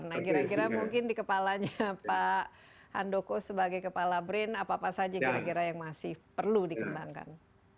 nah kira kira mungkin di kepalanya pak handoko sebagai kepala brin apa apa saja kira kira yang masih perlu dikembangkan